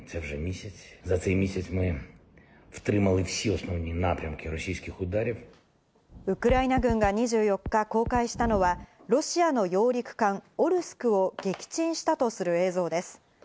ウクライナ軍が２４日公開したのはロシアの揚陸艦オルスクを撃沈したとする映像です。